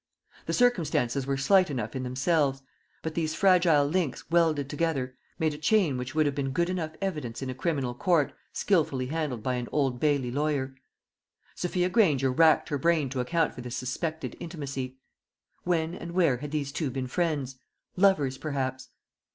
The circumstances were slight enough in themselves, but these fragile links welded together made a chain which would have been good enough evidence in a criminal court, skilfully handled by an Old Bailey lawyer. Sophia Granger racked her brain to account for this suspected intimacy. When and where had these two been friends, lovers perhaps?